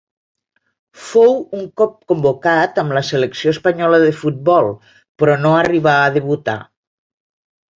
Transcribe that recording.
Fou un cop convocat amb la selecció espanyola de futbol però no arribà a debutar.